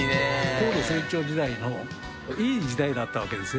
高度成長時代のいい時代だったわけですよね